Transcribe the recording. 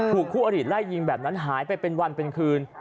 คู่อริไล่ยิงแบบนั้นหายไปเป็นวันเป็นคืน